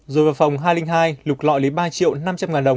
rồi vào phòng hai trăm linh hai lục lọ lý ba triệu năm trăm linh ngàn đồng